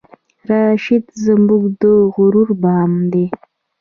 راشد زمونږه د غرور بام دی